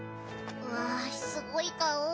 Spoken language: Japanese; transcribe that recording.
わあすごい顔。